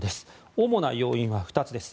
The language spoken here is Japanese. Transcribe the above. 主な要因は２つです。